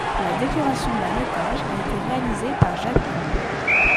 La décoration d'un étage a été réalisée par Jacques Grange.